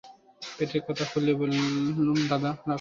পেটের কথা খুলে বললুম দাদা, রাগ করো না।